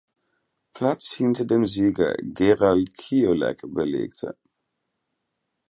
Platz hinter dem Sieger Gerald Ciolek belegte.